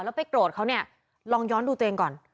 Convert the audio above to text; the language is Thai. แล้วไปโกรธเขาเนี่ยลองย้อนดูตัวเองก่อน